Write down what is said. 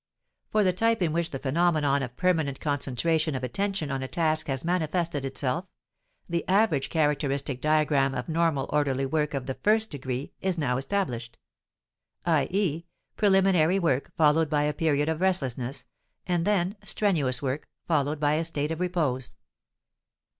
For the type in which the phenomenon of permanent concentration of attention on a task has manifested itself, the average characteristic diagram of normal orderly work of the first degree is now established: i. e. preliminary work followed by a period of restlessness, and then strenuous work followed by a state of repose.